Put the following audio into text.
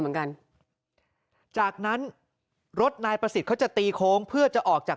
เหมือนกันจากนั้นรถนายประสิทธิ์เขาจะตีโค้งเพื่อจะออกจาก